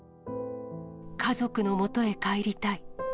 家族のもとへ帰りたい。